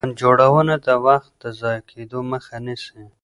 پلان جوړونه د وخت د ضايع کيدو مخه نيسي.